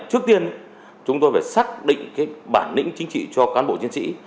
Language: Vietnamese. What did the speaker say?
trước tiên chúng tôi phải xác định cái bản lĩnh chính trị cho cán bộ chiến sĩ